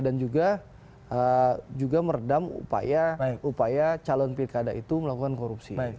dan juga meredam upaya calon pilkada itu melakukan korupsi